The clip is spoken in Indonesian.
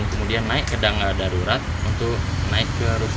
kemudian naik ke danggal darurat untuk naik ke rupa